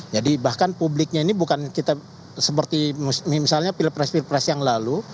jadi bahkan publiknya ini bukan kita seperti misalnya pilpres pilpres yang lalu